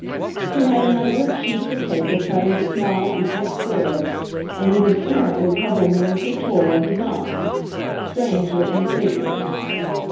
He had a number of sheets of paper cut into small equal squares, and he was apparently covering them with pictorial designs—strange looking figures.